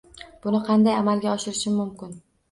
Buni qanday amalga oshirishim mumkin?